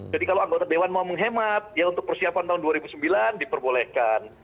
jadi kalau anggota dewan mau menghemat ya untuk persiapan tahun dua ribu sembilan diperbolehkan